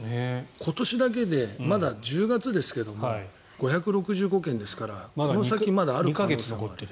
今年だけで、まだ１０月ですけど５６５件ですからこの先まだあるかもしれない。